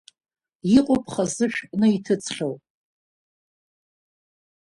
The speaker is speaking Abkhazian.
Иҟоуп хазы шәҟәны иҭыҵхьоу.